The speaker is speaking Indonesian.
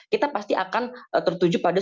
kita pasti akan tertuju pada